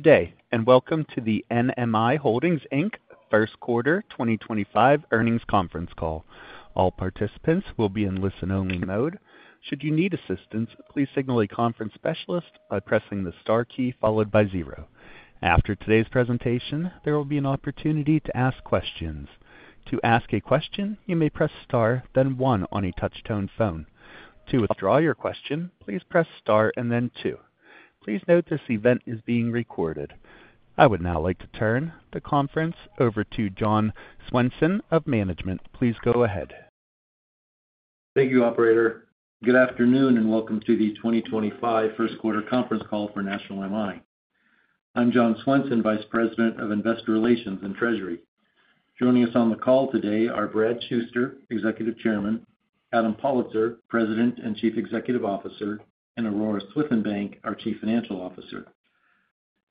Good day, and welcome to the NMI Holdings First Quarter 2025 Earnings Conference Call. All participants will be in listen-only mode. Should you need assistance, please signal a conference specialist by pressing the star key followed by zero. After today's presentation, there will be an opportunity to ask questions. To ask a question, you may press star, then one on a touch-tone phone. To withdraw your question, please press star and then two. Please note this event is being recorded. I would now like to turn the conference over to John Swenson of Management. Please go ahead. Thank you, Operator. Good afternoon and welcome to the 2025 First Quarter Conference Call for National MI. I'm John Swenson, Vice President of Investor Relations and Treasury. Joining us on the call today are Brad Shuster, Executive Chairman; Adam Pollitzer, President and Chief Executive Officer; and Aurora Swithenbank, our Chief Financial Officer.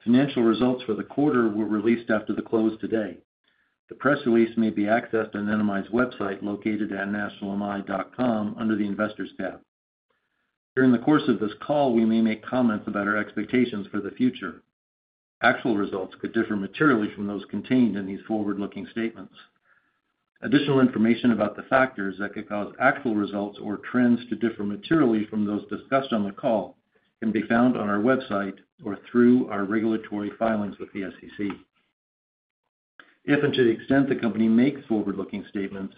Financial results for the quarter were released after the close today. The press release may be accessed on NMI's website located at nationalmi.com under the Investors tab. During the course of this call, we may make comments about our expectations for the future. Actual results could differ materially from those contained in these forward-looking statements. Additional information about the factors that could cause actual results or trends to differ materially from those discussed on the call can be found on our website or through our regulatory filings with the SEC. If and to the extent the company makes forward-looking statements,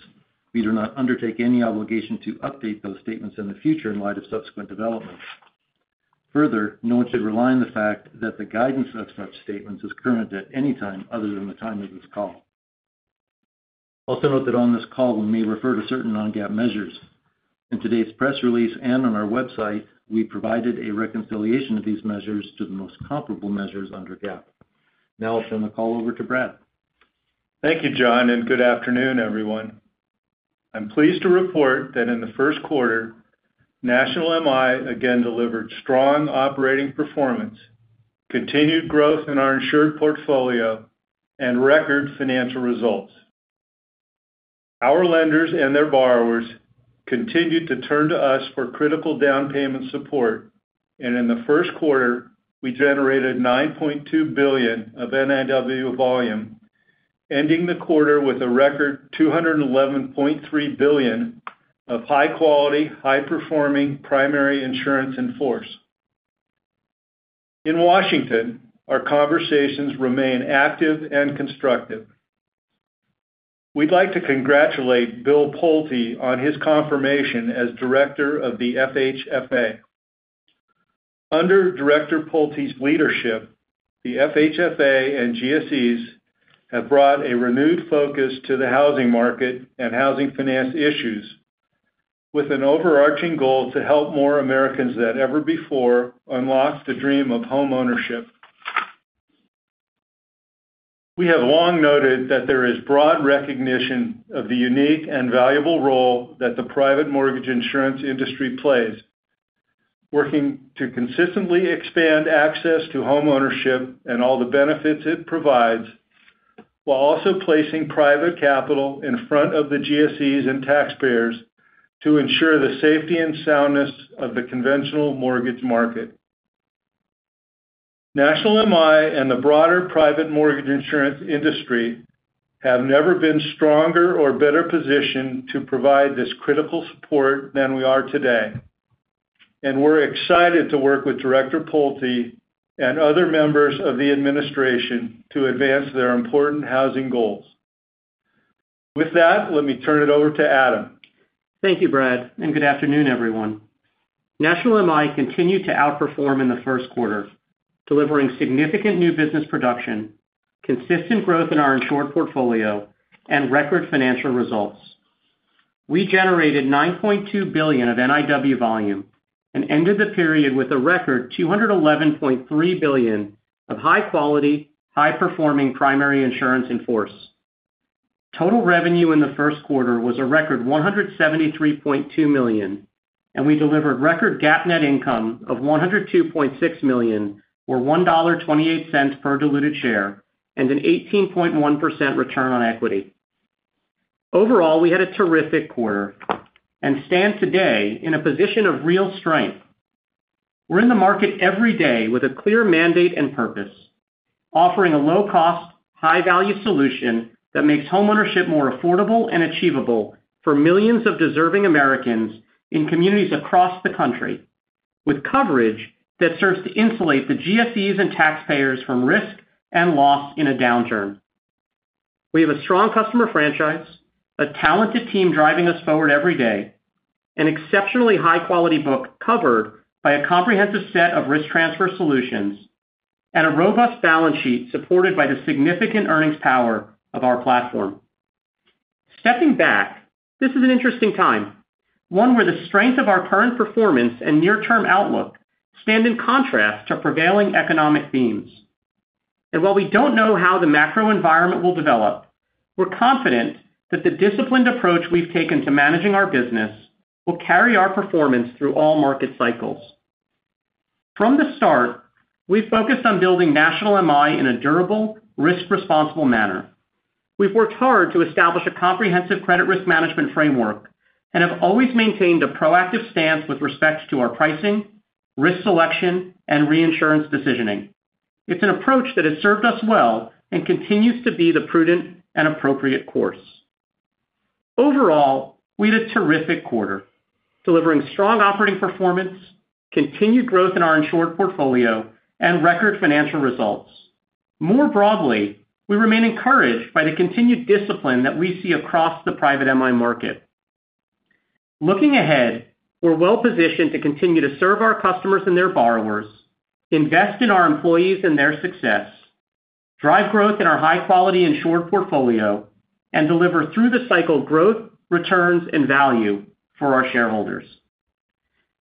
we do not undertake any obligation to update those statements in the future in light of subsequent developments. Further, no one should rely on the fact that the guidance of such statements is current at any time other than the time of this call. Also note that on this call, we may refer to certain non-GAAP measures. In today's press release and on our website, we provided a reconciliation of these measures to the most comparable measures under GAAP. Now I'll turn the call over to Brad. Thank you, John, and good afternoon, everyone. I'm pleased to report that in the first quarter, National MI again delivered strong operating performance, continued growth in our insured portfolio, and record financial results. Our lenders and their borrowers continued to turn to us for critical down payment support, and in the first quarter, we generated $9.2 billion of NIW volume, ending the quarter with a record $211.3 billion of high-quality, high-performing primary insurance in force. In Washington, our conversations remain active and constructive. We'd like to congratulate Bill Pulte on his confirmation as Director of the FHFA. Under Director Pulte's leadership, the FHFA and GSEs have brought a renewed focus to the housing market and housing finance issues, with an overarching goal to help more Americans than ever before unlock the dream of homeownership. We have long noted that there is broad recognition of the unique and valuable role that the private mortgage insurance industry plays, working to consistently expand access to homeownership and all the benefits it provides, while also placing private capital in front of the GSEs and taxpayers to ensure the safety and soundness of the conventional mortgage market. National MI and the broader private mortgage insurance industry have never been stronger or better positioned to provide this critical support than we are today, and we're excited to work with Director Pulte and other members of the administration to advance their important housing goals. With that, let me turn it over to Adam. Thank you, Brad, and good afternoon, everyone. National MI continued to outperform in the first quarter, delivering significant new business production, consistent growth in our insured portfolio, and record financial results. We generated $9.2 billion of NIW volume and ended the period with a record $211.3 billion of high-quality, high-performing primary insurance in force. Total revenue in the first quarter was a record $173.2 million, and we delivered record GAAP net income of $102.6 million, or $1.28 per diluted share, and an 18.1% return on equity. Overall, we had a terrific quarter and stand today in a position of real strength. We're in the market every day with a clear mandate and purpose, offering a low-cost, high-value solution that makes homeownership more affordable and achievable for millions of deserving Americans in communities across the country, with coverage that serves to insulate the GSEs and taxpayers from risk and loss in a downturn. We have a strong customer franchise, a talented team driving us forward every day, an exceptionally high-quality book covered by a comprehensive set of risk transfer solutions, and a robust balance sheet supported by the significant earnings power of our platform. Stepping back, this is an interesting time, one where the strength of our current performance and near-term outlook stand in contrast to prevailing economic themes. While we don't know how the macro environment will develop, we're confident that the disciplined approach we've taken to managing our business will carry our performance through all market cycles. From the start, we've focused on building National MI in a durable, risk-responsible manner. We've worked hard to establish a comprehensive credit risk management framework and have always maintained a proactive stance with respect to our pricing, risk selection, and reinsurance decisioning. It's an approach that has served us well and continues to be the prudent and appropriate course. Overall, we had a terrific quarter, delivering strong operating performance, continued growth in our insured portfolio, and record financial results. More broadly, we remain encouraged by the continued discipline that we see across the private MI market. Looking ahead, we're well positioned to continue to serve our customers and their borrowers, invest in our employees and their success, drive growth in our high-quality insured portfolio, and deliver through the cycle growth, returns, and value for our shareholders.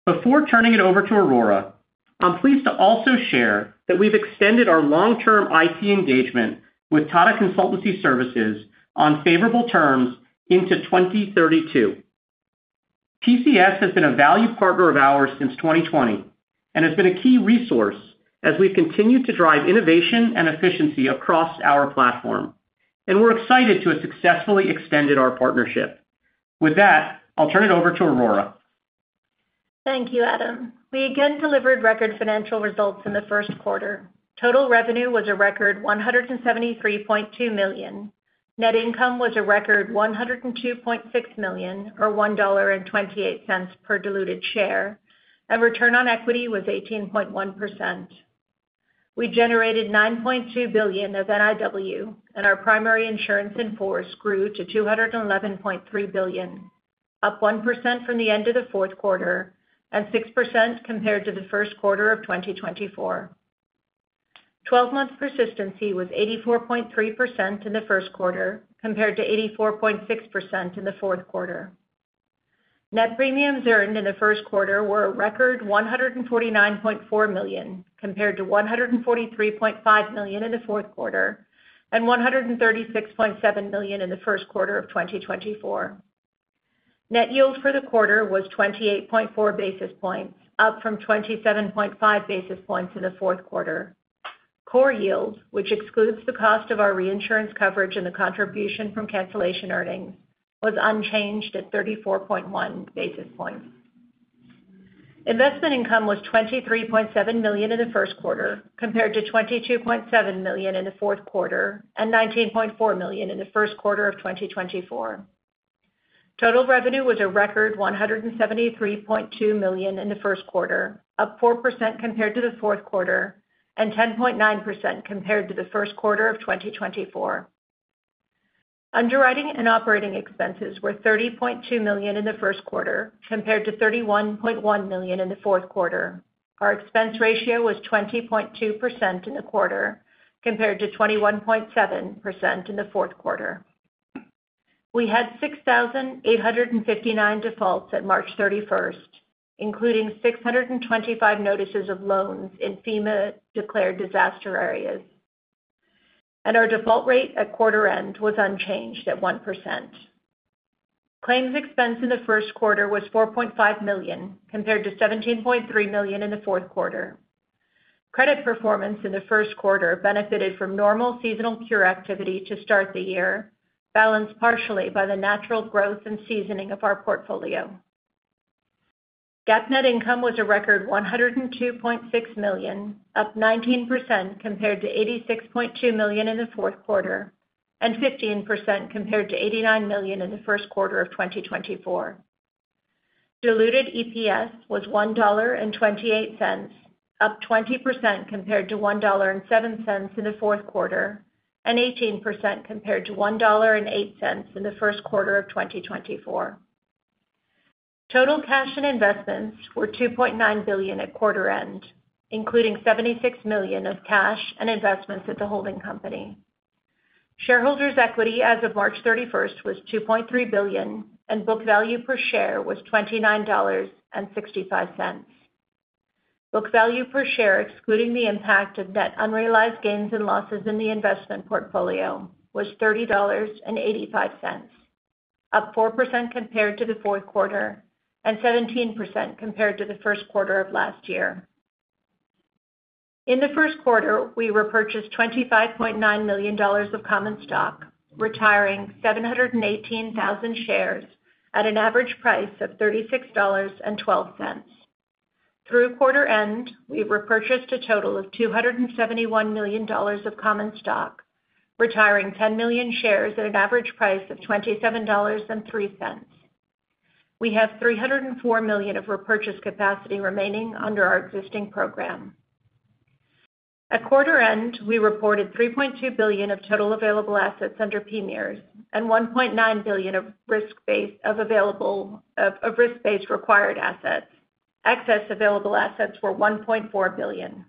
Before turning it over to Aurora, I'm pleased to also share that we've extended our long-term IT engagement with Tata Consultancy Services on favorable terms into 2032. TCS has been a valued partner of ours since 2020 and has been a key resource as we've continued to drive innovation and efficiency across our platform, and we're excited to have successfully extended our partnership. With that, I'll turn it over to Aurora. Thank you, Adam. We again delivered record financial results in the first quarter. Total revenue was a record $173.2 million. Net income was a record $102.6 million, or $1.28 per diluted share, and return on equity was 18.1%. We generated $9.2 billion of NIW, and our primary insurance in force grew to $211.3 billion, up 1% from the end of the fourth quarter and 6% compared to the first quarter of 2024. Twelve-month persistency was 84.3% in the first quarter compared to 84.6% in the fourth quarter. Net premiums earned in the first quarter were a record $149.4 million compared to $143.5 million in the fourth quarter and $136.7 million in the first quarter of 2024. Net yield for the quarter was 28.4 basis points, up from 27.5 basis points in the fourth quarter. Core yield, which excludes the cost of our reinsurance coverage and the contribution from cancellation earnings, was unchanged at 34.1 basis points. Investment income was $23.7 million in the first quarter compared to $22.7 million in the fourth quarter and $19.4 million in the first quarter of 2024. Total revenue was a record $173.2 million in the first quarter, up 4% compared to the fourth quarter and 10.9% compared to the first quarter of 2024. Underwriting and operating expenses were $30.2 million in the first quarter compared to $31.1 million in the fourth quarter. Our expense ratio was 20.2% in the quarter compared to 21.7% in the fourth quarter. We had 6,859 defaults at March 31st, including 625 notices of loans in FEMA-declared disaster areas, and our default rate at quarter-end was unchanged at 1%. Claims expense in the first quarter was $4.5 million compared to $17.3 million in the fourth quarter. Credit performance in the first quarter benefited from normal seasonal cure activity to start the year, balanced partially by the natural growth and seasoning of our portfolio. GAAP net income was a record $102.6 million, up 19% compared to $86.2 million in the fourth quarter and 15% compared to $89 million in the first quarter of 2024. Diluted EPS was $1.28, up 20% compared to $1.07 in the fourth quarter and 18% compared to $1.08 in the first quarter of 2024. Total cash and investments were $2.9 billion at quarter-end, including $76 million of cash and investments at the holding company. Shareholders' equity as of March 31st was $2.3 billion, and book value per share was $29.65. Book value per share, excluding the impact of net unrealized gains and losses in the investment portfolio, was $30.85, up 4% compared to the fourth quarter and 17% compared to the first quarter of last year. In the first quarter, we repurchased $25.9 million of common stock, retiring 718,000 shares at an average price of $36.12. Through quarter-end, we repurchased a total of $271 million of common stock, retiring 10 million shares at an average price of $27.03. We have $304 million of repurchase capacity remaining under our existing program. At quarter-end, we reported $3.2 billion of total available assets under PMIERs and $1.9 billion of risk-based required assets. Excess available assets were $1.4 billion.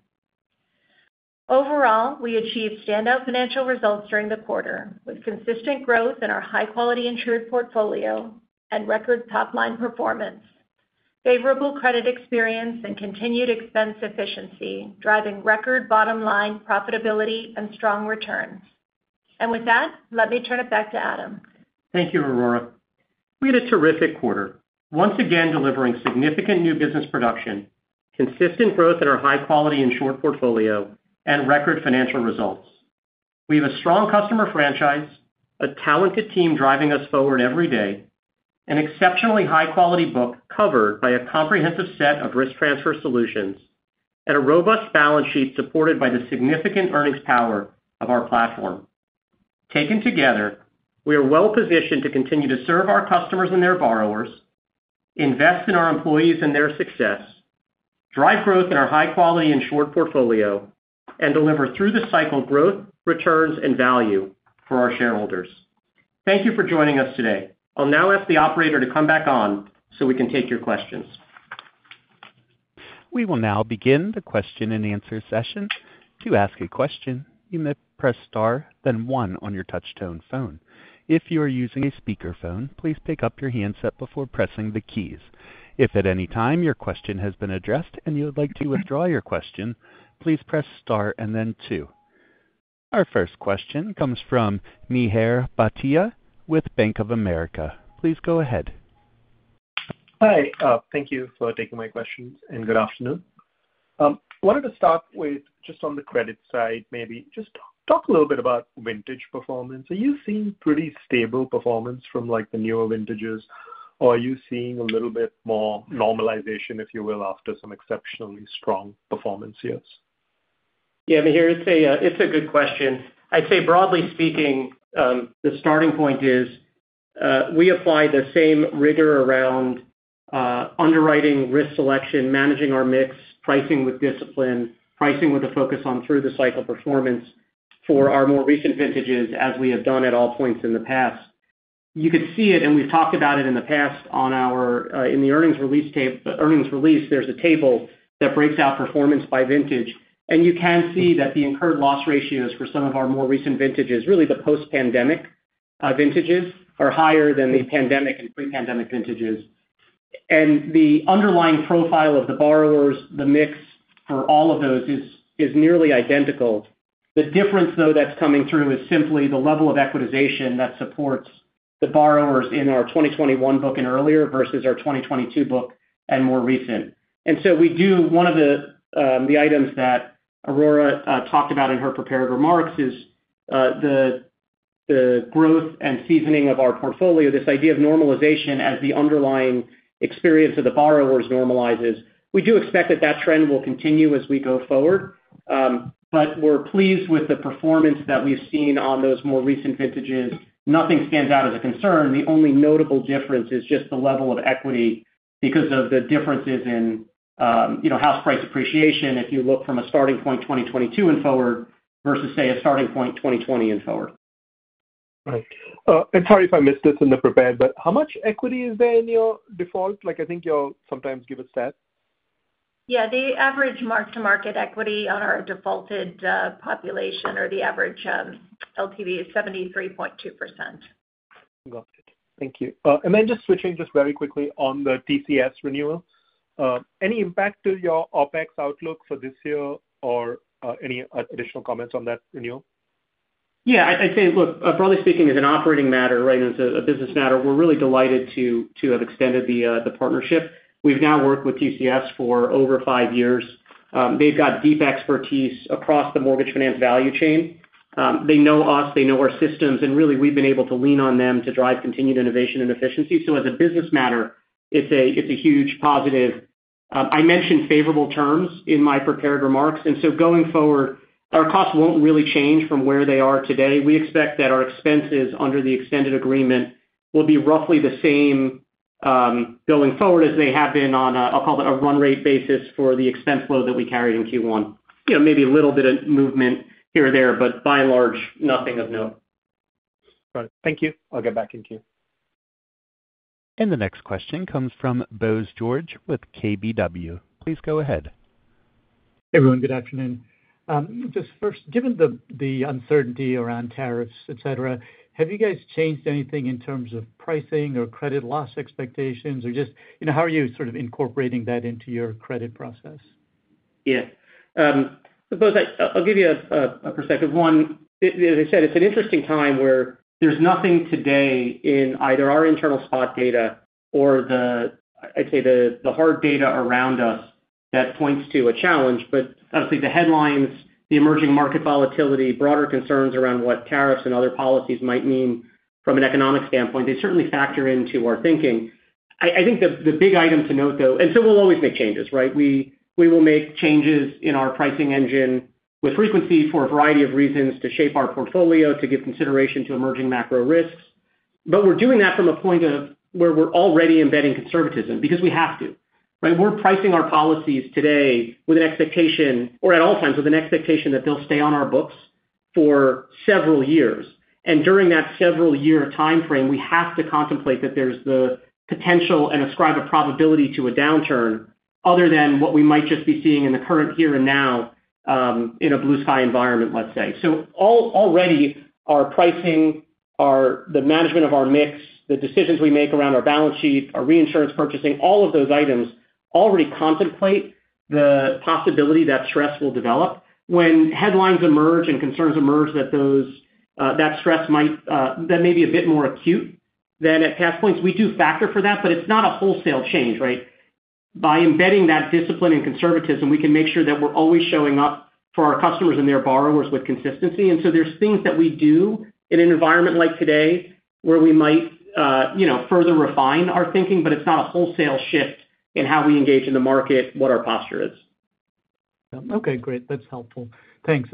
Overall, we achieved standout financial results during the quarter with consistent growth in our high-quality insured portfolio and record top-line performance, favorable credit experience, and continued expense efficiency, driving record bottom-line profitability and strong returns. With that, let me turn it back to Adam. Thank you, Aurora. We had a terrific quarter, once again delivering significant new business production, consistent growth in our high-quality insured portfolio, and record financial results. We have a strong customer franchise, a talented team driving us forward every day, an exceptionally high-quality book covered by a comprehensive set of risk transfer solutions, and a robust balance sheet supported by the significant earnings power of our platform. Taken together, we are well positioned to continue to serve our customers and their borrowers, invest in our employees and their success, drive growth in our high-quality insured portfolio, and deliver through the cycle growth, returns, and value for our shareholders. Thank you for joining us today. I'll now ask the operator to come back on so we can take your questions. We will now begin the question and answer session. To ask a question, you may press Star, then one on your touch-tone phone. If you are using a speakerphone, please pick up your handset before pressing the keys. If at any time your question has been addressed and you would like to withdraw your question, please press Star and then two. Our first question comes from Mihir Bhatia with Bank of America. Please go ahead. Hi. Thank you for taking my questions, and good afternoon. I wanted to start with just on the credit side, maybe. Just talk a little bit about vintage performance. Are you seeing pretty stable performance from the newer vintages, or are you seeing a little bit more normalization, if you will, after some exceptionally strong performance years? Yeah, Mihir, it's a good question. I'd say, broadly speaking, the starting point is we apply the same rigor around underwriting, risk selection, managing our mix, pricing with discipline, pricing with a focus on through-the-cycle performance for our more recent vintages, as we have done at all points in the past. You could see it, and we've talked about it in the past on our earnings release. There's a table that breaks out performance by vintage, and you can see that the incurred loss ratios for some of our more recent vintages, really the post-pandemic vintages, are higher than the pandemic and pre-pandemic vintages. The underlying profile of the borrowers, the mix for all of those is nearly identical. The difference, though, that's coming through is simply the level of equitization that supports the borrowers in our 2021 book and earlier versus our 2022 book and more recent. One of the items that Aurora talked about in her prepared remarks is the growth and seasoning of our portfolio, this idea of normalization as the underlying experience of the borrowers normalizes. We do expect that that trend will continue as we go forward, but we're pleased with the performance that we've seen on those more recent vintages. Nothing stands out as a concern. The only notable difference is just the level of equity because of the differences in house price appreciation if you look from a starting point 2022 and forward versus, say, a starting point 2020 and forward. Right. Sorry if I missed this in the prepared, but how much equity is there in your default? I think you'll sometimes give a stat. Yeah. The average mark-to-market equity on our defaulted population or the average LTV is 73.2%. Got it. Thank you. Just switching just very quickly on the TCS renewal, any impact to your OpEx outlook for this year or any additional comments on that renewal? Yeah. I'd say, look, broadly speaking, as an operating matter, right, as a business matter, we're really delighted to have extended the partnership. We've now worked with TCS for over five years. They've got deep expertise across the mortgage finance value chain. They know us. They know our systems. Really, we've been able to lean on them to drive continued innovation and efficiency. As a business matter, it's a huge positive. I mentioned favorable terms in my prepared remarks. Going forward, our costs won't really change from where they are today. We expect that our expenses under the extended agreement will be roughly the same going forward as they have been on, I'll call it, a run rate basis for the expense flow that we carry in Q1. Maybe a little bit of movement here or there, but by and large, nothing of note. Got it. Thank you. I'll get back in Q. The next question comes from Bose George with KBW. Please go ahead. Hey, everyone. Good afternoon. Just first, given the uncertainty around tariffs, etc., have you guys changed anything in terms of pricing or credit loss expectations, or just how are you sort of incorporating that into your credit process? Yeah. I'll give you a perspective. One, as I said, it's an interesting time where there's nothing today in either our internal spot data or, I'd say, the hard data around us that points to a challenge. Obviously, the headlines, the emerging market volatility, broader concerns around what tariffs and other policies might mean from an economic standpoint, they certainly factor into our thinking. I think the big item to note, though, we'll always make changes, right? We will make changes in our pricing engine with frequency for a variety of reasons to shape our portfolio, to give consideration to emerging macro risks. We're doing that from a point of where we're already embedding conservatism because we have to. We're pricing our policies today with an expectation, or at all times, with an expectation that they'll stay on our books for several years. During that several-year time frame, we have to contemplate that there's the potential and ascribe a probability to a downturn other than what we might just be seeing in the current here and now in a blue-sky environment, let's say. Already, our pricing, the management of our mix, the decisions we make around our balance sheet, our reinsurance purchasing, all of those items already contemplate the possibility that stress will develop. When headlines emerge and concerns emerge that that stress might be a bit more acute than at past points, we do factor for that, but it's not a wholesale change, right? By embedding that discipline and conservatism, we can make sure that we're always showing up for our customers and their borrowers with consistency. There are things that we do in an environment like today where we might further refine our thinking, but it's not a wholesale shift in how we engage in the market, what our posture is. Okay. Great. That's helpful. Thanks.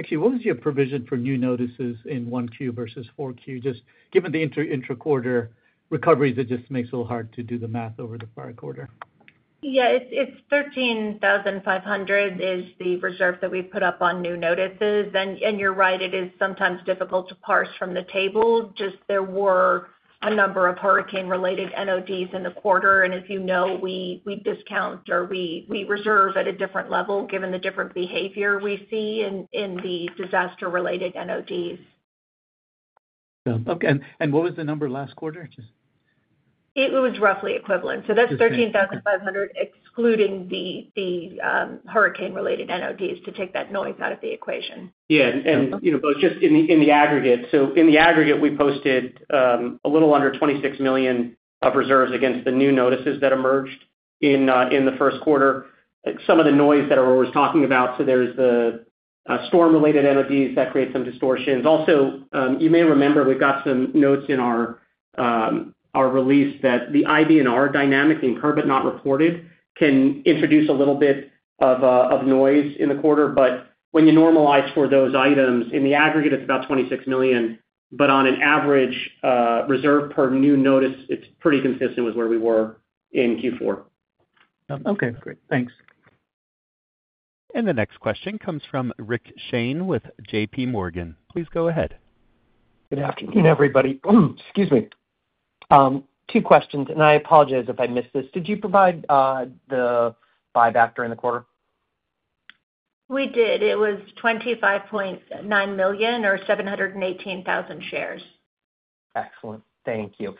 Actually, what was your provision for new notices in 1Q versus 4Q? Just given the intra-quarter recoveries, it just makes it a little hard to do the math over the prior quarter. Yeah. It's $13,500 is the reserve that we've put up on new notices. You're right, it is sometimes difficult to parse from the table. There were a number of hurricane-related NODs in the quarter. As you know, we discount or we reserve at a different level given the different behavior we see in the disaster-related NODs. Okay. What was the number last quarter? It was roughly equivalent. That's 13,500 excluding the hurricane-related NODs to take that noise out of the equation. Yeah. In the aggregate, we posted a little under $26 million of reserves against the new notices that emerged in the first quarter. Some of the noise that we're always talking about, there are the storm-related NODs that create some distortions. Also, you may remember we've got some notes in our release that the IBNR dynamic in current but not reported can introduce a little bit of noise in the quarter. When you normalize for those items, in the aggregate, it's about $26 million. On an average reserve per new notice, it's pretty consistent with where we were in Q4. Okay. Great. Thanks. The next question comes from Rick Shane with JPMorgan. Please go ahead. Good afternoon, everybody. Excuse me. Two questions. I apologize if I missed this. Did you provide the buyback during the quarter? We did. It was $25.9 million or 718,000 shares. Excellent. Thank you.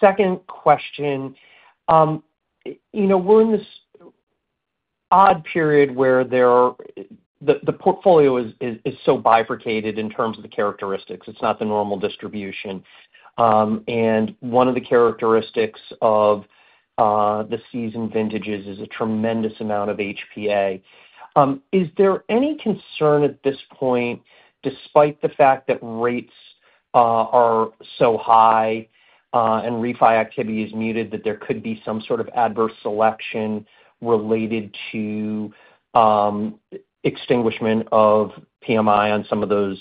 Second question. We're in this odd period where the portfolio is so bifurcated in terms of the characteristics. It's not the normal distribution. One of the characteristics of the seasoned vintages is a tremendous amount of HPA. Is there any concern at this point, despite the fact that rates are so high and refi activity is muted, that there could be some sort of adverse selection related to extinguishment of PMI on some of those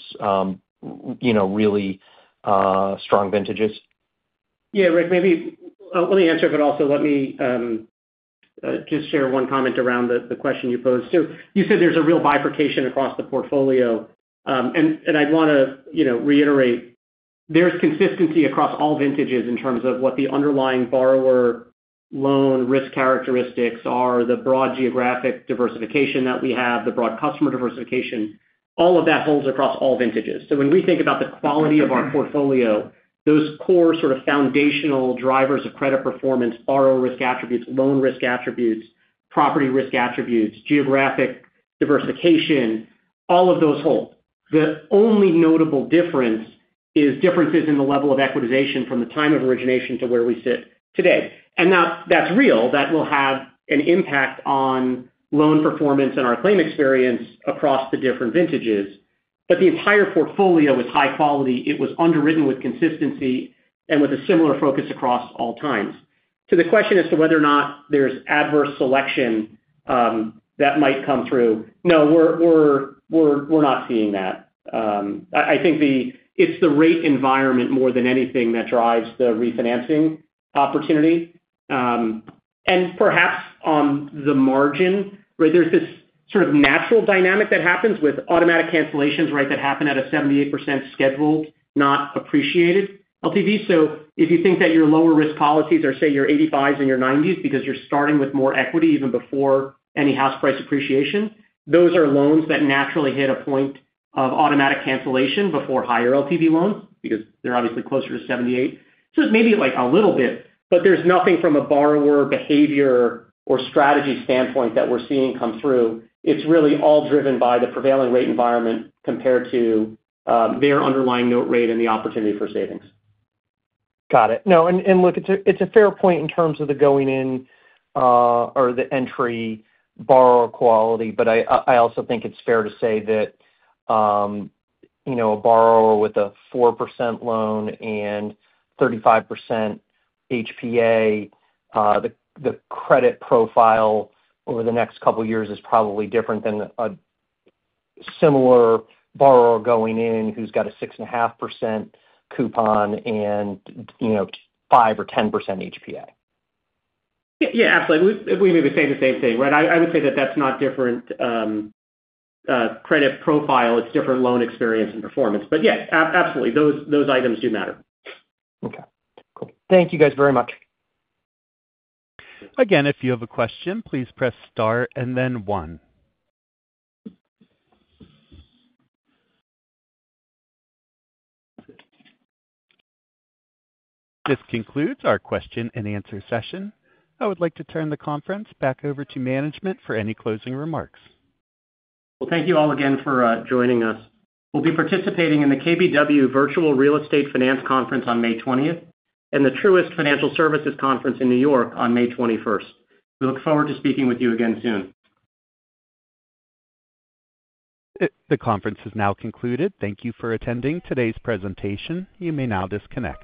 really strong vintages? Yeah, Rick, maybe let me answer, but also let me just share one comment around the question you posed. You said there's a real bifurcation across the portfolio. I want to reiterate, there's consistency across all vintages in terms of what the underlying borrower loan risk characteristics are, the broad geographic diversification that we have, the broad customer diversification. All of that holds across all vintages. When we think about the quality of our portfolio, those core sort of foundational drivers of credit performance, borrower risk attributes, loan risk attributes, property risk attributes, geographic diversification, all of those hold. The only notable difference is differences in the level of equitization from the time of origination to where we sit today. That's real. That will have an impact on loan performance and our claim experience across the different vintages. The entire portfolio is high quality. It was underwritten with consistency and with a similar focus across all times. To the question as to whether or not there's adverse selection that might come through, no, we're not seeing that. I think it's the rate environment more than anything that drives the refinancing opportunity. Perhaps on the margin, there's this sort of natural dynamic that happens with automatic cancellations that happen at a 78% scheduled, not appreciated LTV. If you think that your lower risk policies are, say, your 85s and your 90s because you're starting with more equity even before any house price appreciation, those are loans that naturally hit a point of automatic cancellation before higher LTV loans because they're obviously closer to 78. It's maybe a little bit, but there's nothing from a borrower behavior or strategy standpoint that we're seeing come through. It's really all driven by the prevailing rate environment compared to their underlying note rate and the opportunity for savings. Got it. No. Look, it's a fair point in terms of the going in or the entry borrower quality. I also think it's fair to say that a borrower with a 4% loan and 35% HPA, the credit profile over the next couple of years is probably different than a similar borrower going in who's got a 6.5% coupon and 5% or 10% HPA. Yeah. Absolutely. We may be saying the same thing, right? I would say that that's not different credit profile. It's different loan experience and performance. Yeah, absolutely. Those items do matter. Okay. Cool. Thank you guys very much. Again, if you have a question, please press star and then one. This concludes our question and answer session. I would like to turn the conference back over to management for any closing remarks. Thank you all again for joining us. We'll be participating in the KBW Virtual Real Estate Finance Conference on May 20 and the Truist Financial Services Conference in New York on May 21. We look forward to speaking with you again soon. The conference has now concluded. Thank you for attending today's presentation. You may now disconnect.